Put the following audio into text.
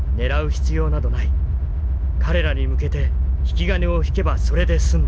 彼らに向けて引き金を引けばそれで済んだ」。